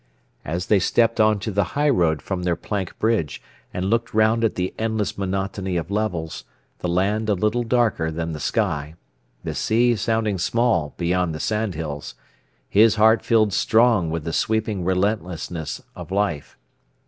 As they stepped on to the highroad from their plank bridge, and looked round at the endless monotony of levels, the land a little darker than the sky, the sea sounding small beyond the sandhills, his heart filled strong with the sweeping relentlessness of life.